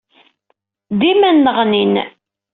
Dima nneɣnin.